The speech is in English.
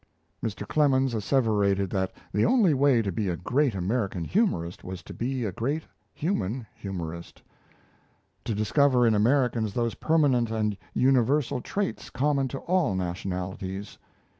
Mr. Clemens asseverated that the only way to be a great American humorist was to be a great human humorist to discover in Americans those permanent and universal traits common to all nationalities.